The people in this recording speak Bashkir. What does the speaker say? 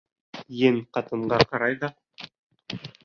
Ен ҡатынға ҡарай ҙа: